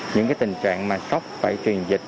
những tình trạng mà sốc phải truyền dịch